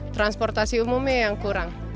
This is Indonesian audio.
transportasi umumnya yang kurang